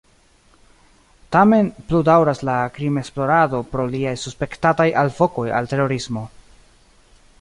Tamen plu daŭras la krimesplorado pro liaj suspektataj “alvokoj al terorismo”.